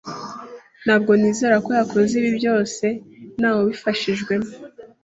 Ntabwo nizera ko yakoze ibi byose ntawe ubifashijwemo.